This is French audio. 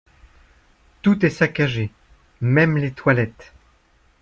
Tout est saccagé, même les toilettes.